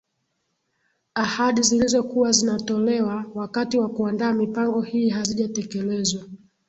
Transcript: Ahadi zilizokuwa zinatolewa wakati wa kuandaa mipango hii hazijatekelezwa